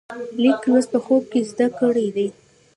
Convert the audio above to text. لیک لوست په خوب کې زده کړی دی.